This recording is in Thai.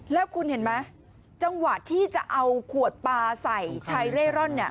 แล้วคุณเห็นไหมจังหวะที่จะเอาขวดปลาใส่ชายเร่ร่อนเนี่ย